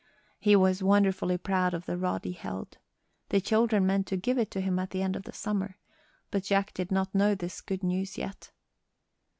He was wonderfully proud of the rod he held. The children meant to give it to him at the end of the summer. But Jack did not know this good news yet.